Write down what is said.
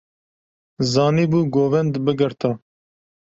Zanîbû govend bigirta.